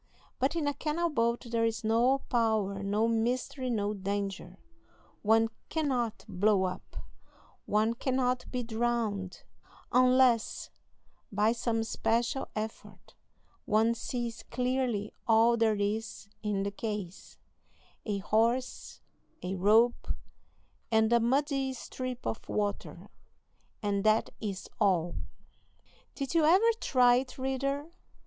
But in a canal boat there is no power, no mystery, no danger; one cannot blow up, one cannot be drowned unless by some special effort; one sees clearly all there is in the case a horse, a rope, and a muddy strip of water and that is all. Did you ever try it, reader?